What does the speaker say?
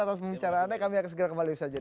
atas pembicaraannya kami akan segera kembali bersajar